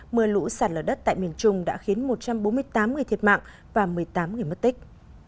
mưa lũ sạt lở đất tại miền trung đã khiến một trăm bốn mươi tám người thiệt mạng và một mươi tám người mất tích